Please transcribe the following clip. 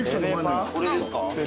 これですか？